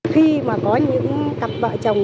khi mà có những cặp bợ chồng